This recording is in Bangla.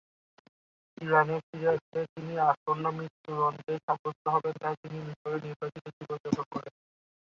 ইরানে ফিরে আসলে তিনি আসন্ন মৃত্যুদণ্ডে সাব্যস্ত হবেন; তাই তিনি মিশরে নির্বাসিত জীবন যাপন করেন।